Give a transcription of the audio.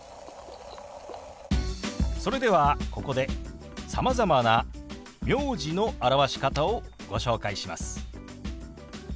それではここでさまざまな名字の表し方をご紹介します。